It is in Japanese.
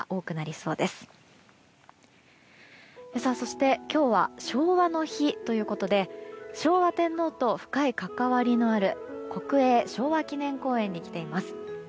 そして、今日は昭和の日ということで昭和天皇と深い関わりのある国営昭和記念公園に来ています。